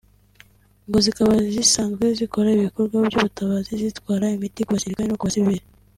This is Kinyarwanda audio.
ngo zikaba zisanzwe zikora ibikorwa by’ubutabazi zitwara imiti ku basirikare no ku basivili